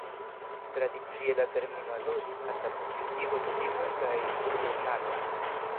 Tradicie la termino aludis al la publikigo de libroj kaj ĵurnaloj.